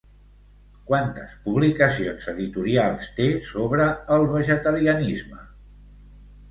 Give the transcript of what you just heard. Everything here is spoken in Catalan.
Quantes publicacions editorials té sobre el vegetarianisme?